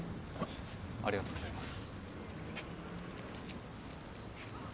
ありがとうございます。